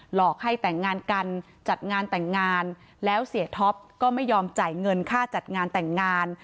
หลอกให้แต่งงานกันจัดงานแต่งงานแล้วเสียท็อปก็ไม่ยอมจ่ายเงินค่าจัดงานแต่งงาน